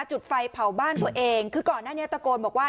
จุดไฟเผาบ้านตัวเองคือก่อนหน้านี้ตะโกนบอกว่า